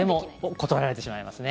断られてしまいますね。